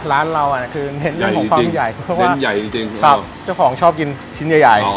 ร้านเราเน้นเรื่องของความใหญ่เพราะว่าเจ้าของชอบกินชิ้นใหญ่